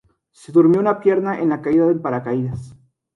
Se rompió una pierna en la caída en paracaídas.